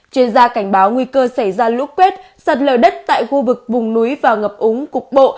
chuyên gia cảnh báo nguy cơ xảy ra lũ quét sạt lở đất tại khu vực vùng núi và ngập úng cục bộ